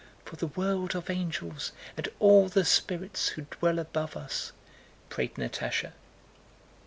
"For the world of angels and all the spirits who dwell above us," prayed Natásha.